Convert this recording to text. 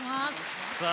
さあ